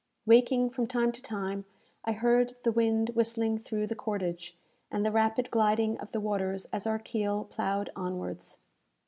Waking from time to time, I heard the wind whistling through the cordage, and the rapid gliding of the waters as our keel ploughed onwards.